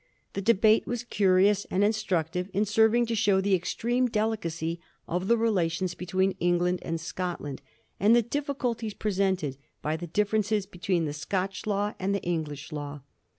The debate was curious and instructive, in serving to show the extreme delicacy of the relations be tween England and Scotland, and the difficulties pre sented by the differences between the Scotch law and the English law.